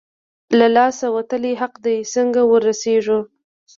له لاسه وتلی حق دی، څنګه ورسېږو؟